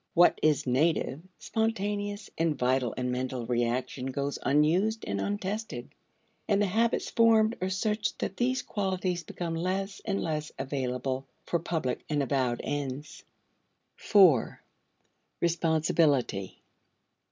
What is native, spontaneous, and vital in mental reaction goes unused and untested, and the habits formed are such that these qualities become less and less available for public and avowed ends. 4. Responsibility.